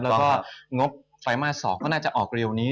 แล้วก็งบไตรมาส๒ก็น่าจะออกเร็วนี้